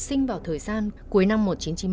sinh vào thời gian cuối năm một nghìn chín trăm chín mươi